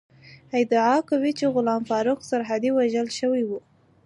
ادعا کوي چې غلام فاروق سرحدی وژل شوی ؤ